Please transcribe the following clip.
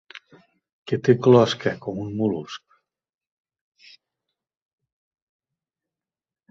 Que té closca, com un mol·lusc.